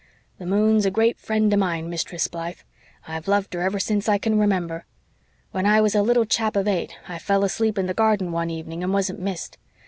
The moon's a great friend of mine, Mistress Blythe. I've loved her ever since I can remember. When I was a little chap of eight I fell asleep in the garden one evening and wasn't missed.